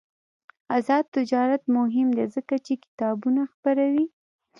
آزاد تجارت مهم دی ځکه چې کتابونه خپروي.